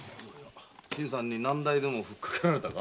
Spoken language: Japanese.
新さんに難題でもふっかけられたか？